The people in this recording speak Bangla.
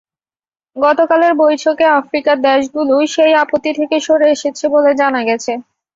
গতকালের বৈঠকে আফ্রিকার দেশগুলো সেই আপত্তি থেকে সরে এসেছে বলে জানা গেছে।